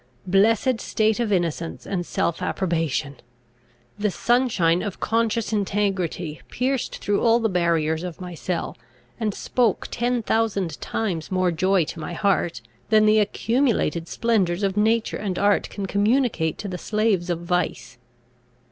Blessed state of innocence and self approbation! The sunshine of conscious integrity pierced through all the barriers of my cell, and spoke ten thousand times more joy to my heart, than the accumulated splendours of nature and art can communicate to the slaves of vice.